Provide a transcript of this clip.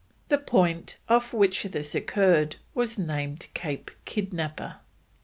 The point off which this occurred was named Cape Kidnapper.